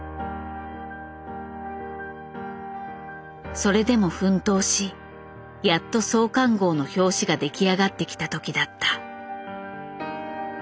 それでも奮闘しやっと創刊号の表紙が出来上がってきたときだった。